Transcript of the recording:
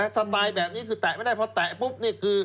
สไตล์แบบนี้คือแตะไม่ได้พอแตะปุ๊บนี่คือ